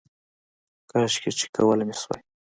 کاشکې چې کولی مې شوای